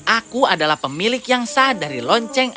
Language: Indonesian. aku adalah pemilik yang sah dari lonceng